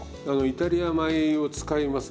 イタリア米を使います。